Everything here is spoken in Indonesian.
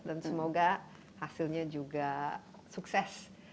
dan semoga hasilnya juga sukses